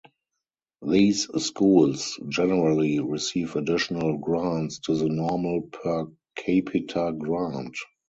These schools generally receive additional grants to the normal per capita grant.